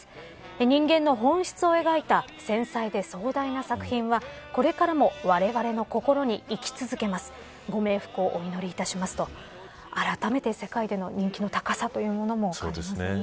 人間の本質を描いた繊細で壮大な作品はこれからも、われわれの心に生き続けますご冥福をお祈りいたします、とあらためて世界での人気の高さというものを感じますね。